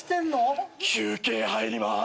休憩入ります。